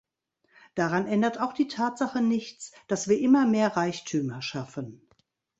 Daran ändert auch die Tatsache nichts, dass wir immer mehr Reichtümer schaffen.